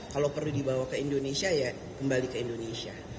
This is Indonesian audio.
kalau perlu dibawa ke indonesia ya kembali ke indonesia